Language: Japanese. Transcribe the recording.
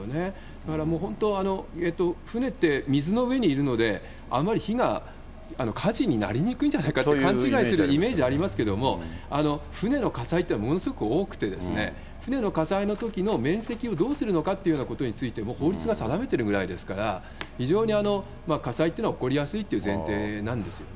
だからもう本当、船って水の上にいるので、あまり火が火事になりにくいんじゃないかって勘違いするイメージありますけども、船の火災というのは、ものすごく多くて、船の火災のときの面積をどうするのかということについても、もう法律が定めてるぐらいですから、非常に火災というのは起こりやすいという前提なんですよね。